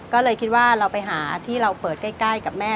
ก็เลยคิดว่าเราไปหาที่เราเปิดใกล้กับแม่